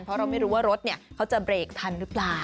เพราะเราไม่รู้ว่ารถเขาจะเบรกทันหรือเปล่า